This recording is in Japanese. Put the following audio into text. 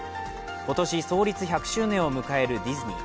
今年、創立１００周年を迎えるディズニー。